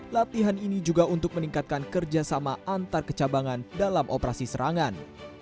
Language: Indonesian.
latihan ini juga untuk meningkatkan kerjasama antar kecabangan dalam operasi serangan